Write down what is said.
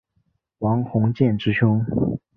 王鸿渐之兄。